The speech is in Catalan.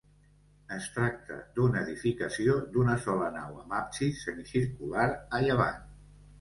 Es tracta d'una edificació d'una sola nau amb absis semicircular a llevant.